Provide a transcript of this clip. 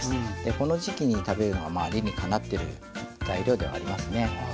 この時期に食べるのは理にかなってる材料ではありますね。